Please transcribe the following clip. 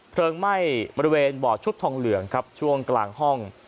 ไหม้บริเวณบ่อชุบทองเหลืองครับช่วงกลางห้อง